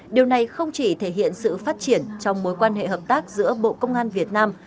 điều này không chỉ thể hiện sự phát triển trong mối quan hệ hợp tác giữa bộ công an việt nam